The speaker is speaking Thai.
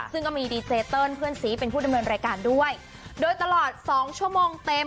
ซึ่งก็มีดีเจเติ้ลเพื่อนสีเป็นผู้ดำเนินรายการด้วยโดยตลอดสองชั่วโมงเต็ม